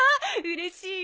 うれしいわ。